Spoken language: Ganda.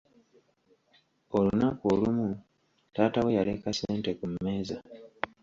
Olunaku olumu, taata we yaleka sente ku mmeeza.